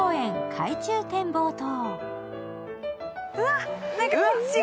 海中展望塔。